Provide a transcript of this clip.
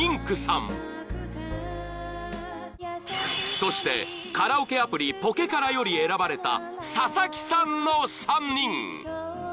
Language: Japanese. ［そしてカラオケアプリＰｏｋｅｋａｒａより選ばれた佐々木さんの３人］